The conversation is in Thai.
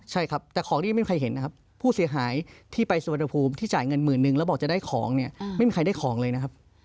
ใช่ครับแต่ของที่ยังไม่มีใครเห็นนะครับผู้เสียหายที่ไปสุวรรณภูมิที่จ่ายเงินหมื่นนึงแล้วบอกจะได้ของเนี่ยไม่มีใครได้ของเลยนะครับ